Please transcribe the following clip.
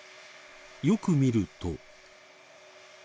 よく見ると。